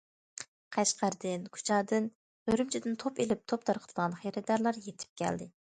قەشقەردىن، كۇچادىن، ئۈرۈمچىدىن توپ ئېلىپ- توپ تارقىتىدىغان خېرىدارلار يېتىپ كەلدى.